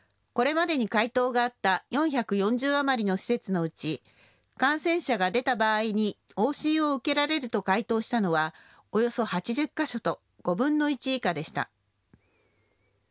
これまでに回答があった４４０余りの施設のうち感染者が出た場合に往診を受けられると回答したのはおよそ８０か所と５分の１以下でした。